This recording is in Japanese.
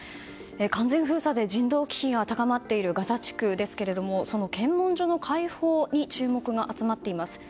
完全封鎖で人道危機が高まっているガザ地区ですがその検問所の開放に注目が集まっています。